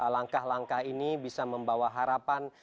langkah langkah ini bisa membawa harapan